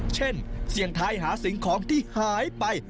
เช่นเสียงทายหาสิ่งของที่หายไป